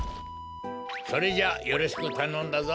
それじゃあよろしくたのんだぞ。